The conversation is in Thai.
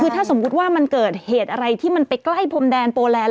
คือถ้าสมมุติว่ามันเกิดเหตุอะไรที่มันไปใกล้พรมแดนโปแลนด